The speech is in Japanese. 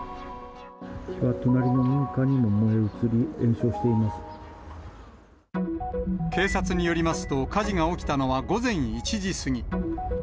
火は隣の民家にも燃え移り、警察によりますと、火事が起きたのは午前１時過ぎ。